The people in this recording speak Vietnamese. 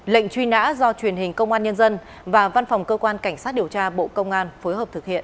lệnh truy nã do truyền hình công an nhân dân và văn phòng cơ quan cảnh sát điều tra bộ công an phối hợp thực hiện